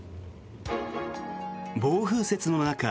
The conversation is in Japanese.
暴風雪の中